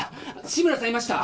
志村さんいました